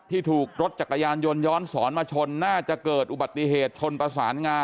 ถูกรถจักรยานยนต์ย้อนสอนมาชนน่าจะเกิดอุบัติเหตุชนประสานงา